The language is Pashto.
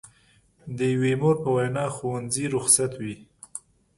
د یوې مور په وینا ښوونځي رخصت وي.